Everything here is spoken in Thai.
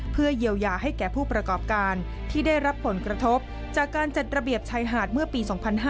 เพื่อเยียวยาให้แก่ผู้ประกอบการที่ได้รับผลกระทบจากการจัดระเบียบชายหาดเมื่อปี๒๕๕๙